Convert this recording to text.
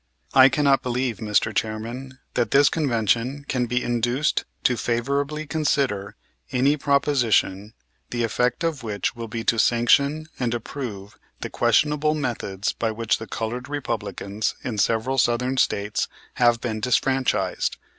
I cannot believe, Mr. Chairman, that this convention can be induced to favorably consider any proposition, the effect of which will be to sanction and approve the questionable methods by which the colored Republicans in several Southern States have been disfranchised.